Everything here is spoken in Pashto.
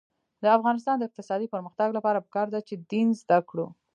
د افغانستان د اقتصادي پرمختګ لپاره پکار ده چې دین زده کړو.